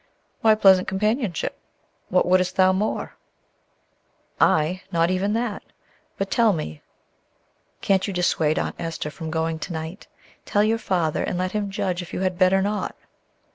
"Why, pleasant companionship. What wouldst thou more?" "I? Not even that. But tell me, can't you dissuade Aunt Esther from going to night? Tell your father, and let him judge if you had better not."